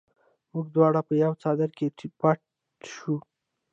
موږ دواړه په یوه څادر کې پټ شوو